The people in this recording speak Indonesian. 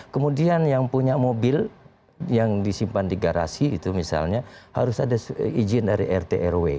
kemudian yang punya mobil yang disimpan di garasi itu misalnya harus ada izin dari rt rw